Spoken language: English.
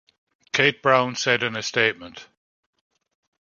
Kate Brown said in a statement.